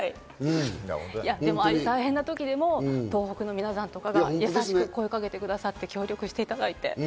大変な時でも東北の皆さんとかが優しく声をかけてくださって、協力していただいて。